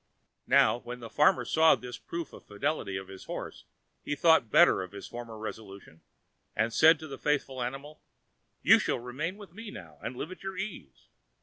Now, when the farmer saw this proof of the fidelity of his horse, he thought better of his former resolution, and said to the faithful animal: "You shall remain with me now, and live at your ease."